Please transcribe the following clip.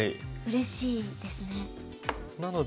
うれしいですね。